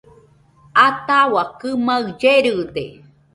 Ataua kɨmaɨ llerɨde